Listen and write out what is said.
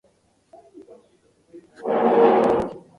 Nancy then agrees to marry him.